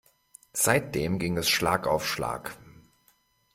Seitdem ging es Schlag auf Schlag.